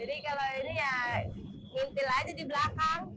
jadi kalau ini ya muntil aja di belakang